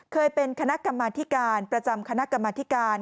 เคยเป็นคณะกรรมธิการประจำคณะกรรมธิการ